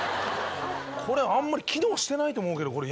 これあんまり機能してないと思うけど。